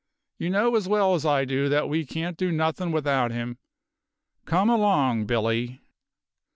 You knows as well as I do that we can't do nothin' without 'im. Come along, Billy."